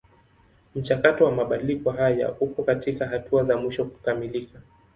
Mchakato wa mabadiliko haya upo katika hatua za mwisho kukamilika.